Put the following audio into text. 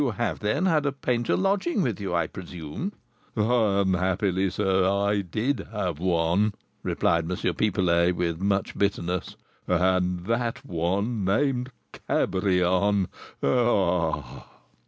"You have, then, had a painter lodging with you, I presume?" "Unhappily, sir, I did have one," replied M. Pipelet, with much bitterness, "and that one named Cabrion. Ah!"